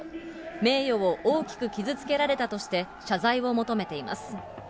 名誉を大きく傷つけられたとして、謝罪を求めています。